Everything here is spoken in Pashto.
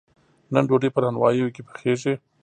نن ډوډۍ په نانواییو کې پخیږي.